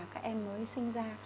các em mới sinh ra